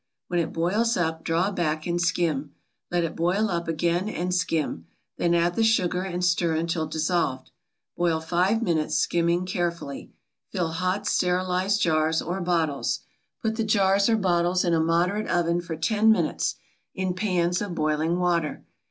When it boils up, draw back and skim. Let it boil up again and skim; then add the sugar and stir until dissolved. Boil five minutes, skimming carefully. Fill hot sterilized jars or bottles. Put the jars or bottles in a moderate oven for ten minutes, in pans of boiling water.